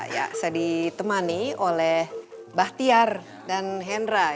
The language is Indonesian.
ya saya ditemani oleh bahtiar dan hendra